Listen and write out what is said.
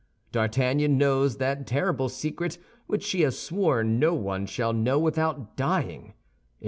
D'Artagnan knows that terrible secret which she has sworn no one shall know without dying.